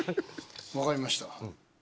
分かりました。